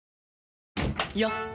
よっ！